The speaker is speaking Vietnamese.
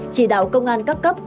chỉ đạo công an cấp cấp